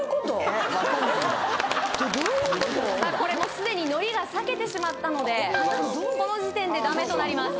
これもうすでに海苔が裂けてしまったのでこの時点でダメとなります